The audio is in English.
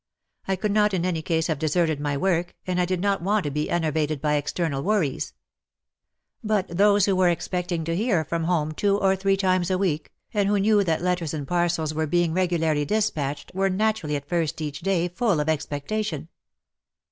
I could not in any case have deserted my work, and I did not want to be enervated by external worries. But those who were expecting to hear from home two or three times a week, and who knew that letters and parcels were being regularly dis patched, were naturally at first each day full of expectation.